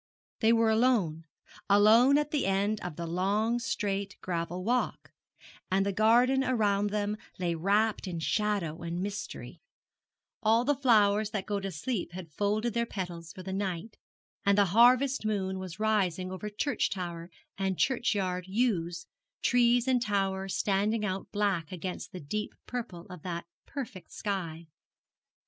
They were alone alone at the end of the long, straight gravel walk and the garden around them lay wrapped in shadow and mystery; all the flowers that go to sleep had folded their petals for the night, and the harvest moon was rising over church tower and churchyard yews, trees and tower standing out black against the deep purple of that perfect sky.